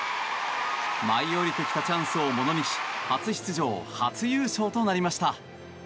舞い降りてきたチャンスを物にし初出場、初優勝となりました。